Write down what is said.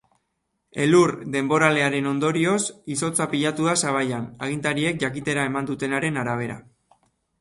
Elur denboralearen ondorioz izotza pilatu da sabaian, agintariek jakitera eman dutenaren arabera.